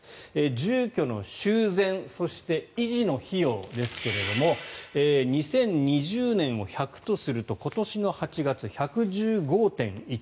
住居の修繕そして維持の費用ですが２０２０年を１００とすると今年の８月、１１５．１。